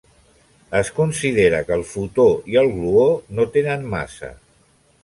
Es considera que el fotó i el gluó no tenen massa.